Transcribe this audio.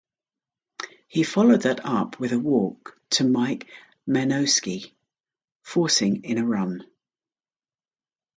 He followed that up with a walk to Mike Menosky, forcing in a run.